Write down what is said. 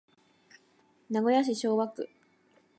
名古屋市昭和区